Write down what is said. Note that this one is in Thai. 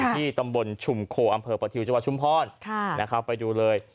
ที่ตำบลชุมโคอำเภอประทิวจังหวัดชุมพรนะครับไปดูเลย